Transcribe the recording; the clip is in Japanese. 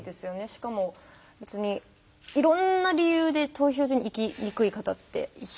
しかもいろんな理由で投票所に行きにくい方っていっぱいいて。